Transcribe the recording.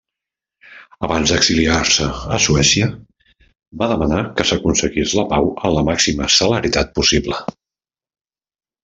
Abans d'exiliar-se a Suècia, va demanar que s'aconseguís la pau amb la màxima celeritat possible.